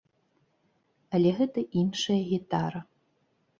Але гэта іншая гітара.